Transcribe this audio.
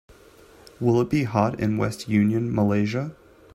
Will it be hot in West Union, Malaysia